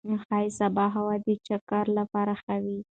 ښايي سبا هوا د چکر لپاره ښه وي.